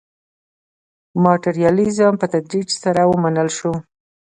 ماټریالیزم په تدریج سره ومنل شو.